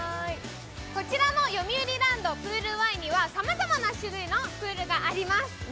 こちらのよみうりランドプールＷＡＩにはさまざまな種類のプールがあります。